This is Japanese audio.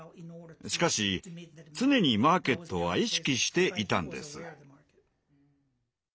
しかし常にマーケットは意識していたんです。